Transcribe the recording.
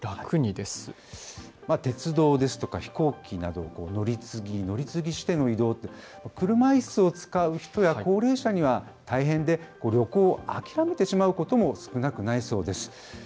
鉄道ですとか飛行機など、乗り継ぎ、乗り継ぎしての移動って、車いすを使う人や高齢者には大変で、旅行を諦めてしまうことも少なくないそうです。